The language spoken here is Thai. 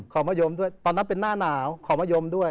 มะยมด้วยตอนนั้นเป็นหน้าหนาวขอมะยมด้วย